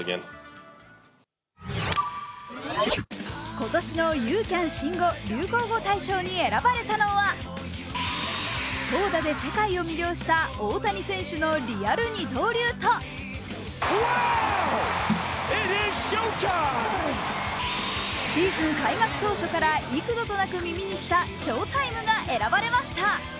今年のユーキャン新語・流行語大賞に選ばれたのは投打で世界を魅了した大谷選手のリアル二刀流とシーズン開幕当初から幾度となく耳にしたショータイムが選ばれました。